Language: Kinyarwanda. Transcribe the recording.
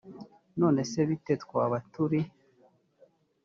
none se bite twaba turi